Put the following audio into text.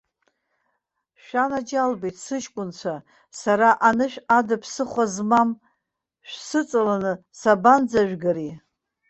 Шәанаџьалбеит, сыҷкәынцәа, сара анышә ада ԥсыхәа змам, шәсыҵаланы сабанӡажәгари?